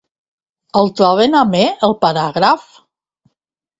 ¿El troben amè, el paràgraf?